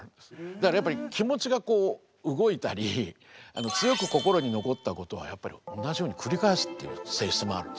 だからやっぱり気持ちがこう動いたり強く心に残ったことはやっぱり同じように繰り返すっていう性質もあるんですね。